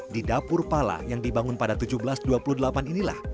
di dapur pala yang dibangun pada seribu tujuh ratus dua puluh delapan inilah